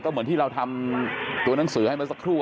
เหมือนที่เราทำตัวหนังสือให้เมื่อสักครู่